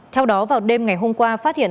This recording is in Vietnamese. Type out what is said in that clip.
theo đó vào đêm ngày hôm qua phát hiện